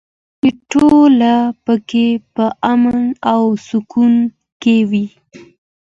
چې ټول پکې په امن او سکون کې وي.